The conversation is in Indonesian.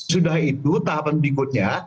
sudah itu tahapan berikutnya